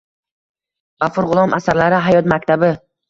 Gʻafur Gʻulom asarlari - hayot maktabi